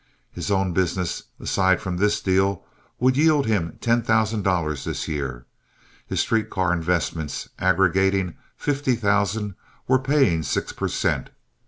His own business, aside from this deal, would yield him ten thousand dollars this year. His street car investments, aggregating fifty thousand, were paying six per cent.